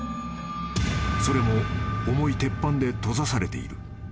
［それも重い鉄板で閉ざされている］